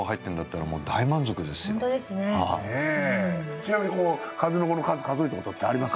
ちなみに数の子の数数えたことってあります？